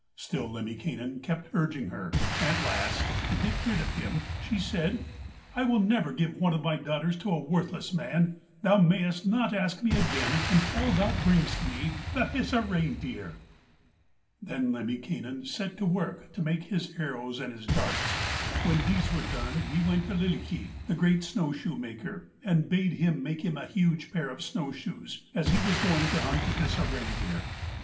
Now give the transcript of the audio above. Still Lemminkainen kept urging her, and at last, to get rid of him, she said: 'I will never give one of my daughters to a worthless man. Thou mayst not ask me again until thou bringest me the Hisi reindeer.' Then Lemminkainen set to work to make his arrows and his darts. When these were done he went to Lylikki, the great snow shoe maker, and bade him make a huge pair of snow shoes, as he was going to hunt the Hisi reindeer.